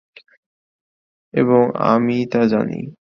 এবং আমি তা জানি।